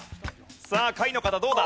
さあ下位の方どうだ？